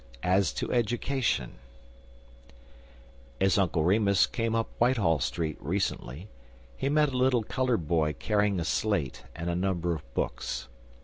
AS TO EDUCATION As Uncle Remus came up Whitehall Street recently, he met a little colored boy carrying a slate and a number of books.